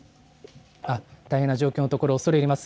大変な状況のところ恐れ入ります。